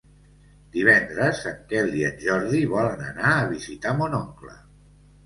Divendres en Quel i en Jordi volen anar a visitar mon oncle.